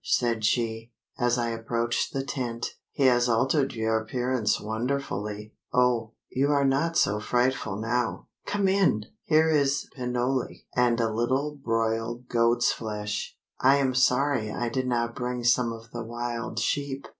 said she, as I approached the tent, "he has altered your appearance wonderfully. Oh! you are not so frightful now. Come in! Here is pinole, and a little broiled goat's flesh. I am sorry I did not bring some of the wild sheep.